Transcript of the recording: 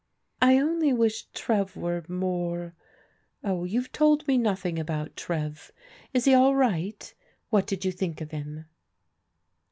"I only wish Trev were more — oh, you've told me nothing about Trev. Is he all right? What did you think of him?"